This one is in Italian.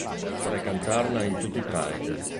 Vorrei cantarla in tutti i Pride!